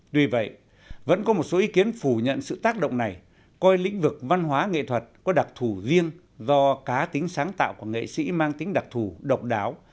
tuy vậy vẫn có một số ý kiến phủ nhận sự tác động này coi lĩnh vực văn hóa nghệ thuật có đặc thù riêng do cá tính sáng tạo của nghệ sĩ mang tính đặc thù độc đáo